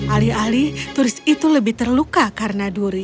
alih alih turis itu lebih terluka karena duri